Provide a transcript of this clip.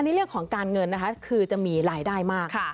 ในเรื่องของการเงินนะคะคือจะมีรายได้มาก